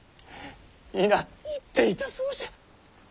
皆言っていたそうじゃ。